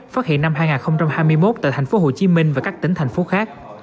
phát hiện năm hai nghìn hai mươi một tại tp hcm và các tỉnh thành phố khác